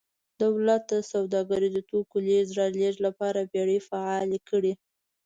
دولت د سوداګریزو توکو لېږد رالېږد لپاره بېړۍ فعالې کړې